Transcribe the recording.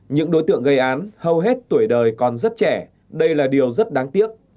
những đối tượng gây án hầu hết tuổi đời còn rất trẻ đây là điều rất đáng tiếc